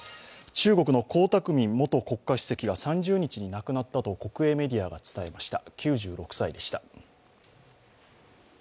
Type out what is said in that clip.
中国の江沢民元国家主席が３０日に亡くなった国営メディアが伝えました。